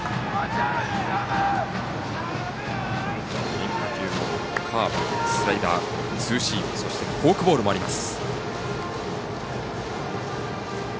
変化球もカーブ、スライダーツーシーム、そしてフォークボールもあります。